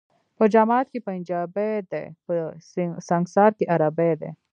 په جماعت کي پنجابی دی ، په سنګسار کي عربی دی